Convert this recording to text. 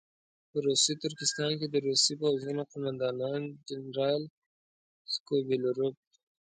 په روسي ترکستان کې د روسي پوځونو قوماندان جنرال سکوبیلروف.